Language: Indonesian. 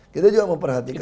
kita juga memperhatikan